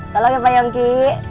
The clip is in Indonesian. tolong ya pak yonggi